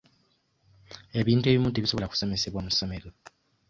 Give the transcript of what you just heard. Ebintu ebimu tebisobola kusomesebwa mu ssomero.